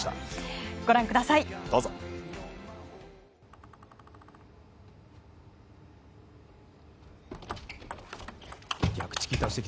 ご覧ください。